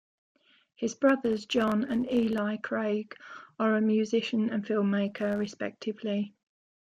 His brothers, John and Eli Craig, are a musician and filmmaker respectively.